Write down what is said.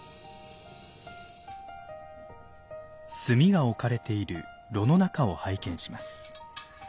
炭が置かれている炉の中を拝見します。